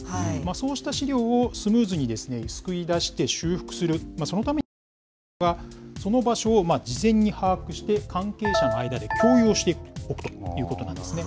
そうした資料をスムーズに救い出して、修復する、そのために役に立つのが、その場所を事前に把握して、関係者の間で共有をしていくということなんですね。